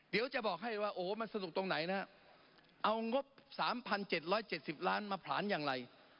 เดี๋ยวจะบอกให้ว่าโอ้มันสนุกตรงไหนนะเอางบ๓๗๗๐ล้านมาผลาญอย่างไร